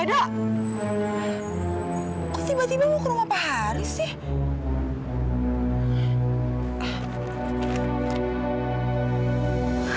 aduh kok tiba tiba mau ke rumah pak haris sih